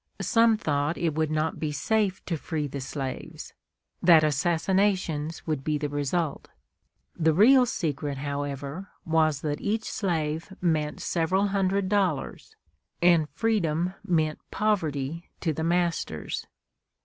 Some thought it would not be safe to free the slaves; that assassinations would be the result. The real secret, however, was that each slave meant several hundred dollars, and freedom meant poverty to the masters.